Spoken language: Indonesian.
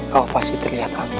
kau pasti terlihat anggun nih mas